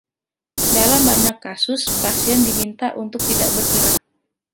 Dalam banyak kasus, pasien diminta untuk tidak bergerak.